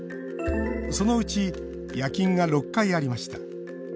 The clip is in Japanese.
そのうち、夜勤が６回ありました。